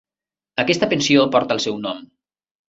Aquesta pensió porta el seu nom.